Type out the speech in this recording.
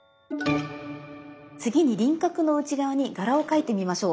次に輪郭の内側に柄を描いてみましょう。